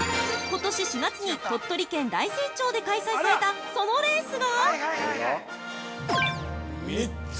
ことし４月に鳥取県大山町で開催された、そのレースが◆３つ。